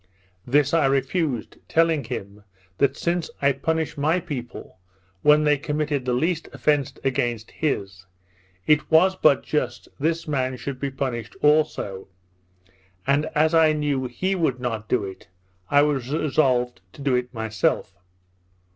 This I refused, telling him, that since I punished my people, when they committed the least offence against his, it was but just this man should be punished also; and as I knew he would not do it, I was resolved to do it myself.